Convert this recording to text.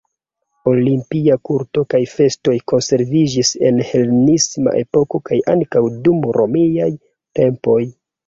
Olimpia kulto kaj festoj konserviĝis en helenisma epoko kaj ankaŭ dum romiaj tempoj.